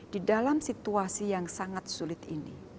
di dalam situasi yang sangat sulit ini